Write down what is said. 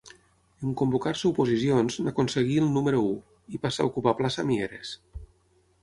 En convocar-se oposicions, n'aconseguí el número u, i passà a ocupar plaça a Mieres.